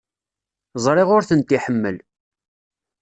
Ẓriɣ ur tent-iḥemmel.